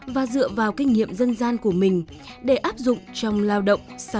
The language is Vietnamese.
và dựa vào kinh nghiệm dân gian của mình để áp dụng trong lao động sản